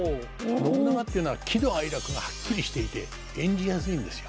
信長っていうのは喜怒哀楽がはっきりしていて演じやすいんですよ。